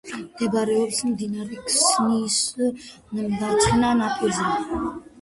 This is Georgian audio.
მდებარეობს მდინარე ქსნის მარცხენა ნაპირზე.